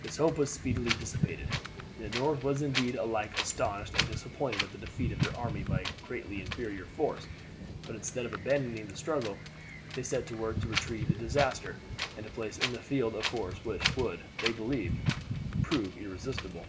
This hope was speedily dissipated. The North was indeed alike astonished and disappointed at the defeat of their army by a greatly inferior force, but instead of abandoning the struggle, they set to work to retrieve the disaster, and to place in the field a force which would, they believed, prove irresistible.